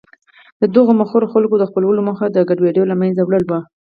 د دغو مخورو خلکو د خپلولو موخه د ګډوډیو له منځه وړل و.